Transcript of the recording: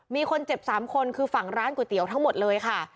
มีคนเจ็บ๓คนคือฝั่งร้านก๋วยเตี๋ยวทั้งหมดเลยค่ะ